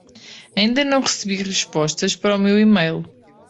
Ainda não recebi respostas para o meu email.